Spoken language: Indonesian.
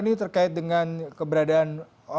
ini terkait dengan keberadaan kelompok masyarakat yang bersenjata